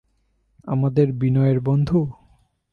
আমাদের বিনয়ের বন্ধু?